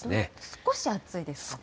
少し暑いですか。